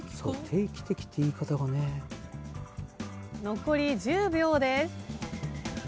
残り１０秒です。